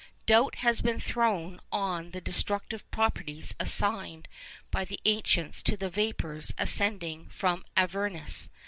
Doubt has been thrown on the destructive properties assigned by the ancients to the vapours ascending from Avernus.